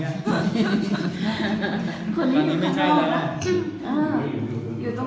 นั่งความวิชา